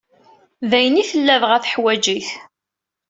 D ayen i tella dɣa teḥwaǧ-it.